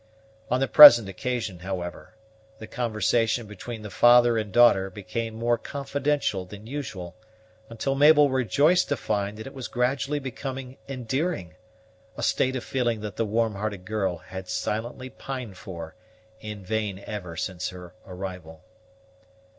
On the present occasion, however, the conversation between the father and daughter became more confidential than usual, until Mabel rejoiced to find that it was gradually becoming endearing, a state of feeling that the warm hearted girl had silently pined for in vain ever since her arrival.